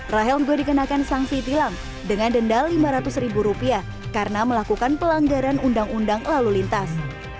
rahel juga dikenakan sanksi tilang dengan denda lima ratus ribu rupiah karena melakukan pelanggaran undang undang lalu lintas